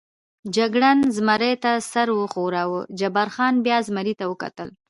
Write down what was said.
جګړن زمري ته سر و ښوراوه، جبار خان بیا زمري ته وکتل.